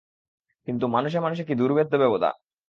কিন্তু মানুষে মানুষে কী দুর্ভেদ্য ব্যবধান!